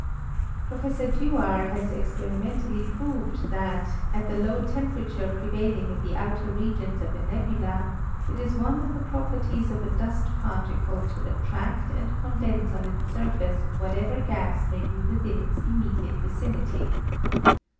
Professor Dewar has experimentally proved that, at the low temperature prevailing in the outer regions of a nebula, it is one of the properties of a dust particle to at tract and condense on its surface whatever gas may be within its immediate vicinity.